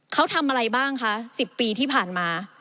เขาทำอะไรบ้างคะ๑๐ปีที่ผ่านมา